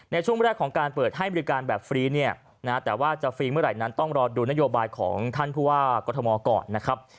ในช่วงแรกของการเปิดให้บริการแบบฟรีเนี่ยนะแต่ว่าจะฟรีเมื่อไหร่นั้นต้องรอดูนโยบายของท่านผู้ว่ากรทมก่อนนะครับ